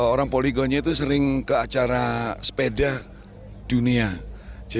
orang poligonnya itu sering ke acara sepeda